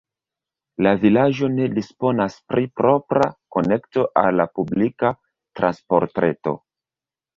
La vilaĝo ne disponas pri propra konekto al la publika transportreto.